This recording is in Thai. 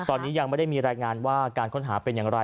ตอนนี้ยังไม่ได้มีรายงานว่าการค้นหาเป็นอย่างไร